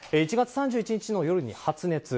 １月３１日の夜に発熱。